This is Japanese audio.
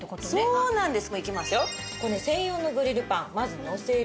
そうなんです。